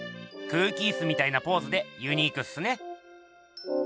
空気イスみたいなポーズでユニークっすね。